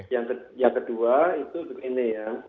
yang kedua itu begini ya